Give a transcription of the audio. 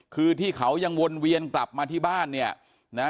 คือที่เขายังวนเวียนกลับมาที่บ้านเนี่ยนะ